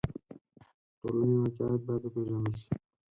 د ټولنې واقعیت باید وپېژندل شي.